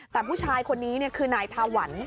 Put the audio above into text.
แต่ผู้ชายคนนี้เนี่ยคือนายถวัน